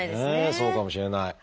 そうかもしれない。